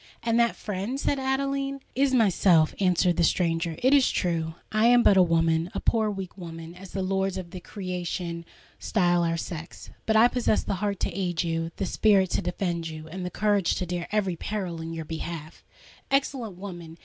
"And that friend—" said Adeline. "Is myself," answered the stranger. "It is true, I am but a woman—a poor, weak woman, as the lords of the creation style our sex;—but I possess the heart to aid you—the spirit to defend you—and the courage to dare every peril in your behalf!" "Excellent woman!